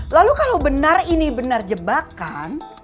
lalu kalau benar ini benar jebakan